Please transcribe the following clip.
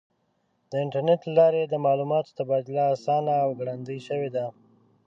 د انټرنیټ له لارې د معلوماتو تبادله آسانه او ګړندۍ شوې ده.